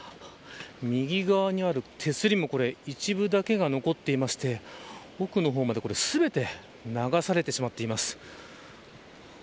右側にある手すりも一部だけが残っていまして奥の方まで、全て流されてしまっています。